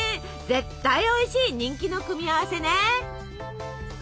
絶対おいしい人気の組み合わせね。